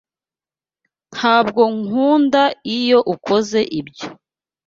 Ntabwo nkunda iyo ukoze ibyo.